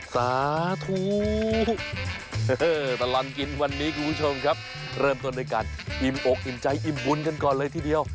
สาธุตลอดกินวันนี้คุณผู้ชมครับเริ่มต้นด้วยการอิ่มอกอิ่มใจอิ่มบุญกันก่อนเลยทีเดียว